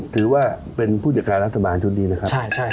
ถือว่าเป็นผู้จัดการรัฐบาลชุดนี้นะครับ